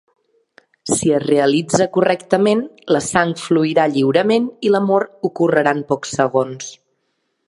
Si es realitza correctament, la sang fluirà lliurement i la mort ocorrerà en pocs segons.